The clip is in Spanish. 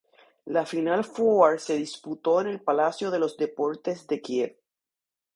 La final four se disputó en el Palacio de los deportes de Kiev.